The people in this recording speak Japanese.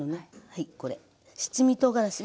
はいこれ七味とうがらし。